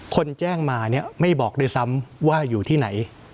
คนแจ้งมาเนี่ยไม่บอกด้วยซ้ำว่าอยู่ที่ไหน